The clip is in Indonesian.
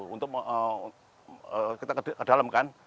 untuk kita kedalemkan